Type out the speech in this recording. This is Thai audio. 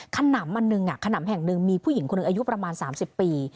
ขนำอันหนึ่งขนำแห่งหนึ่งมีผู้หญิงคนหนึ่งอายุประมาณ๓๐ปี